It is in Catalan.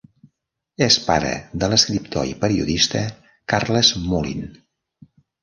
És pare de l'escriptor i periodista Carles Molin.